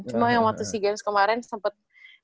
cuma yang waktu si games kemarin sempet